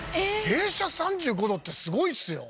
傾斜３５度ってすごいですよ